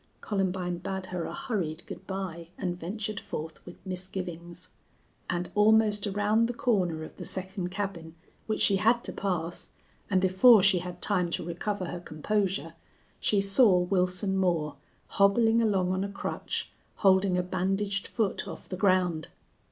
Columbine bade her a hurried good by and ventured forth with misgivings. And almost around the corner of the second cabin, which she had to pass, and before she had time to recover her composure, she saw Wilson Moore, hobbling along on a crutch, holding a bandaged foot off the ground.